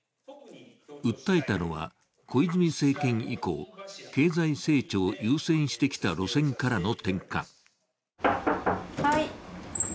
訴えたのは、小泉政権以降経済成長を優先してきた路線からの転換。